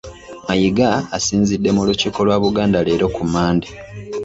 Mayiga asinzidde mu Lukiiko lwa Buganda leero ku Mmande